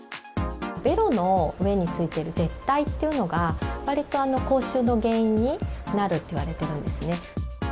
べろの上についている、舌苔というのが、わりと口臭の原因になるっていわれてるんですね。